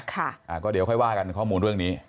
ค่ะอ่าก็เดี๋ยวค่อยว่ากันข้อมูลเรื่องนี้